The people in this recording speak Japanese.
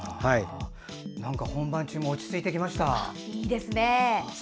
本番中も落ち着いてきました。